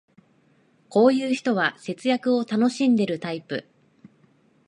こういう人は節約を楽しんでるタイプ